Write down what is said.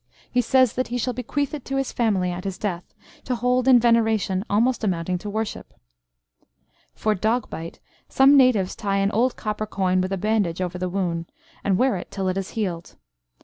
He says that he shall bequeath it to his family at his death, to hold in veneration almost amounting to worship. For dog bite, some Natives tie an old copper coin with a bandage over the wound, and wear it till it has healed.